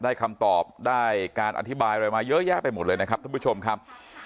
คำตอบได้การอธิบายอะไรมาเยอะแยะไปหมดเลยนะครับท่านผู้ชมครับ